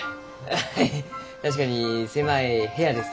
アハハ確かに狭い部屋です